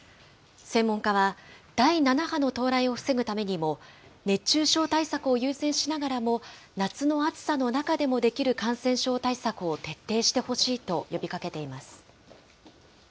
専門家は、第７波の到来を防ぐためにも、熱中症対策を優先しながらも、夏の暑さの中でもできる感染症対策を徹底してほしいと呼びかけています。